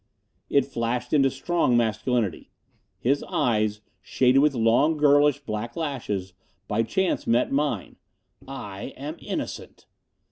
it flashed into strong masculinity. His eyes, shaded with long, girlish black lashes, by chance met mine. "I am innocent."